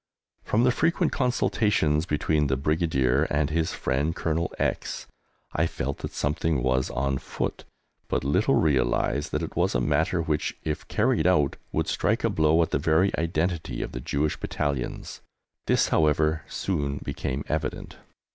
From the frequent consultations between the Brigadier and his friend Colonel X I felt that something was on foot, but little realised that it was a matter which, if carried out, would strike a blow at the very identity of the Jewish Battalions. This, however, soon became evident.